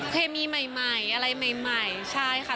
เคมีใหม่อะไรใหม่ใช่ค่ะ